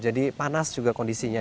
jadi panas juga kondisinya